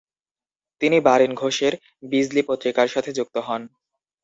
তিনি বারীন ঘোষের 'বিজলী' পত্রিকার সাথে যুক্ত হন।